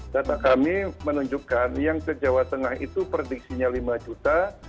dan kami menunjukkan yang ke jawa tengah itu prediksinya lima juta